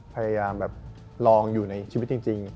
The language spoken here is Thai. พยายามแบบลองอยู่ในชีวิตจริง